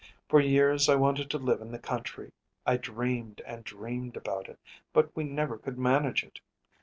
For years I wanted to live in the country. I dreamed and dreamed about it; but we never could manage it.